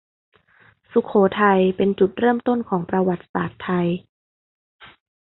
สุโขทัยเป็นจุดเริ่มต้นของประวัติศาสตร์ไทย